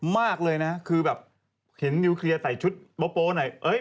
มากเลยนะคือแบบเห็นนิวเคลียร์ใส่ชุดโป๊หน่อย